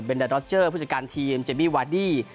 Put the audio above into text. เบนเดอร์รอเจอร์ผู้จัดการทีมเจมมี่วาดี้